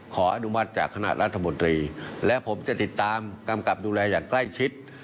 ขออนุมัติจากคณะรัฐมนตรีและผมจะติดตามกำกับดูแลอย่างใกล้ชิด